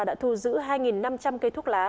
đã thu giữ hai năm trăm linh cây thuốc lá